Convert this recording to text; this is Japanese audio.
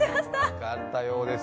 分かったようです。